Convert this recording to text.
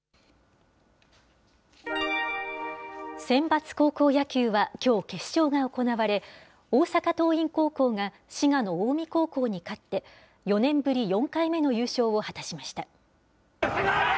センバツ高校野球は、きょう決勝が行われ、大阪桐蔭高校が滋賀の近江高校に勝って、４年ぶり４回目の優勝を果たしました。